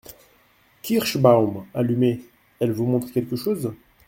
Kirschbaum, allumé. — Elle vous montre quelqu’ chose ?